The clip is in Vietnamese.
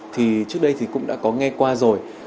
thì trước đây cũng đã có nghe qua rồi